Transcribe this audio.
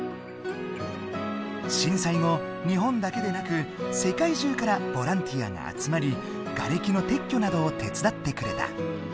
震災後日本だけでなく世界中からボランティアが集まりがれきの撤去などを手伝ってくれた。